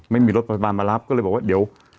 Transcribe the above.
ไม่มีรถพยาบาลมารับก็เลยบอกว่าเดี๋ยว